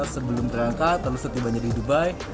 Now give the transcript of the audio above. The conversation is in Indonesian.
sebelum terangkat lalu setiba jadi dubai